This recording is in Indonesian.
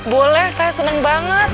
boleh saya seneng banget